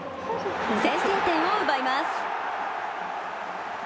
先制点を奪います。